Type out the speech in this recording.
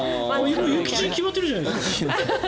諭吉に決まってるじゃないですか。